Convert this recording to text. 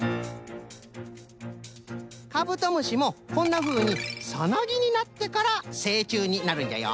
カブトムシもこんなふうにサナギになってからせいちゅうになるんじゃよ。